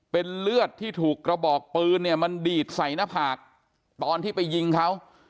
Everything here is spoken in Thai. เป็นเลือดที่ถูกกระบอกปืนเนี่ยมันดีดใส่หน้าผากตอนที่ไปยิงเขา